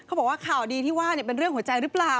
บอกว่าข่าวดีที่ว่าเป็นเรื่องหัวใจหรือเปล่า